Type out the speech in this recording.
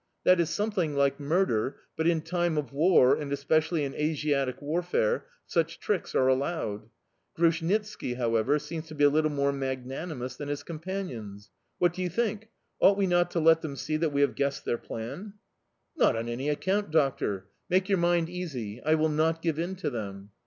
That is something like murder, but in time of war, and especially in Asiatic warfare, such tricks are allowed. Grushnitski, however, seems to be a little more magnanimous than his companions. What do you think? Ought we not to let them see that we have guessed their plan?" "Not on any account, doctor! Make your mind easy; I will not give in to them."